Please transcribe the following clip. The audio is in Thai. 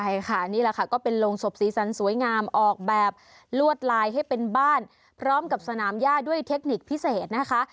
ใช่ค่ะนี่แหละค่ะก็เป็นโรงศพสีสันสวยงามออกแบบลวดลายให้เป็นบ้านพร้อมกับสนามย่าด้วยเทคนิคพิเศษนะคะ